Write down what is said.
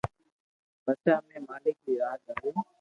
پسي امي مالڪ ري راہ جالو